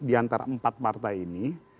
di antara empat partai ini